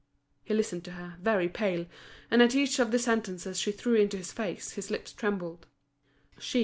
He listened to her, very pale; and at each of the sentences she threw into his face, his lips trembled.